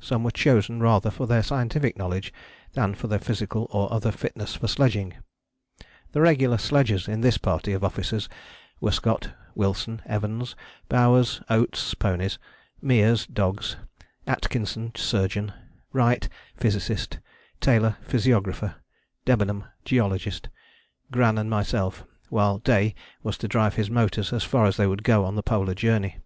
Some were chosen rather for their scientific knowledge than for their physical or other fitness for sledging. The regular sledgers in this party of officers were Scott, Wilson, Evans, Bowers, Oates (ponies), Meares (dogs), Atkinson (surgeon), Wright (physicist), Taylor (physiographer), Debenham (geologist), Gran and myself, while Day was to drive his motors as far as they would go on the Polar Journey.